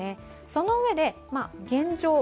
そのうえで、現状